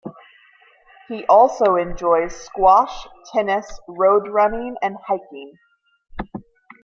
He also enjoys squash, tennis, road running and hiking.